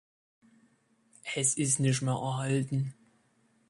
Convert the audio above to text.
Es ist nicht mehr erhalten.